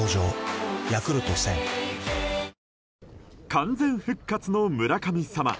完全復活の村神様。